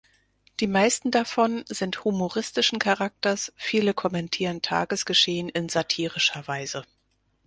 Die meisten davon sind humoristischen Charakters, viele kommentieren Tagesgeschehen in satirischer Weise.